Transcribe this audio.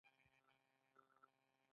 د روزنې لارې چارې یې ځانګړې دي.